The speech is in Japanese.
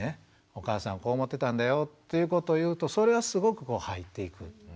お母さんこう思ってたんだよということを言うとそれはすごくこう入っていく。